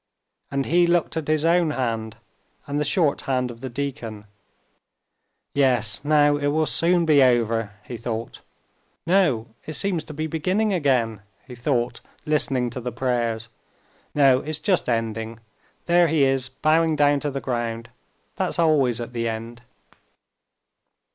And he looked at his own hand and the short hand of the deacon. "Yes, now it will soon be over," he thought. "No, it seems to be beginning again," he thought, listening to the prayers. "No, it's just ending: there he is bowing down to the ground. That's always at the end."